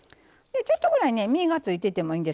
ちょっとくらいね身がついててもいいんです。